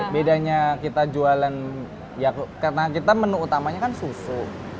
bedanya kita jualan ya karena kita menu utamanya kan susu